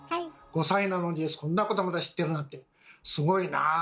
５歳なのにそんなことまで知ってるなんてすごいなあ！